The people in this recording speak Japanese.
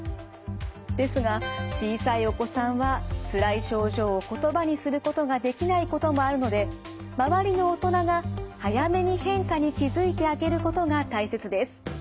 てすが小さいお子さんはつらい症状を言葉にすることができないこともあるので周りの大人が早めに変化に気付いてあげることが大切です。